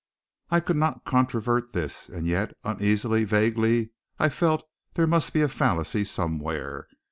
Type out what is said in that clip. I could not controvert this; and yet uneasily, vaguely, I felt there must be a fallacy somewhere.